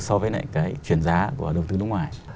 so với lại cái chuyển giá của đầu tư nước ngoài